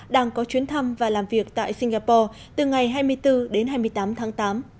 đang có chuyến thăm và làm việc tại singapore từ ngày hai mươi bốn đến hai mươi tám tháng tám